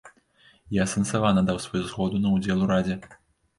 Я асэнсавана даў сваю згоду на ўдзел у радзе.